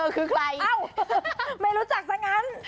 เธอคือใครอ้าวไม่รู้จักสักงั้น